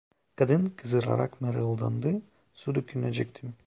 Kadın kızararak mırıldandı: "Su dökünecektim…"